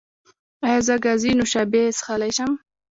ایا زه ګازي نوشابې څښلی شم؟